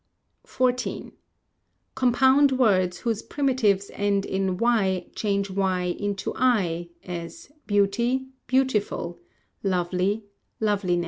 xiv. Compound words whose primitives end in y change y into i; as, _beauty, Beautiful; lovely, loveliness.